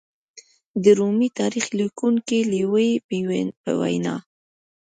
د رومي تاریخ لیکونکي لېوي په وینا